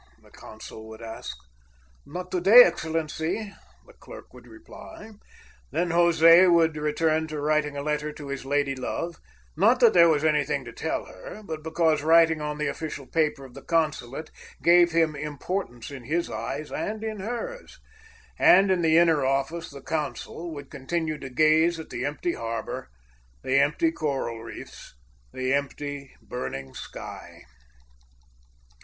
the consul would ask. "Not to day, Excellency," the clerk would reply. Then José would return to writing a letter to his lady love; not that there was any thing to tell her, but because writing on the official paper of the consulate gave him importance in his eyes, and in hers. And in the inner office the consul would continue to gaze at the empty harbor, the empty coral reefs, the empty, burning sky.